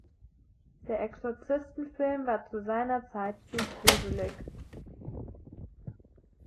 Der Exorzisten-Film war zu seiner Zeit zu guselig.